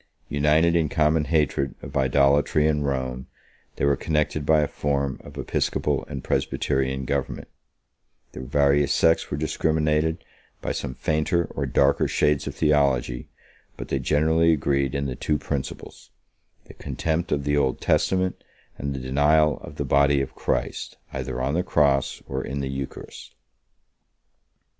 United in common hatred of idolatry and Rome, they were connected by a form of episcopal and presbyterian government; their various sects were discriminated by some fainter or darker shades of theology; but they generally agreed in the two principles, the contempt of the Old Testament and the denial of the body of Christ, either on the cross or in the eucharist.